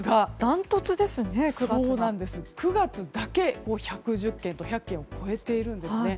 ９月だけ１１０件と１００件を超えているんですね。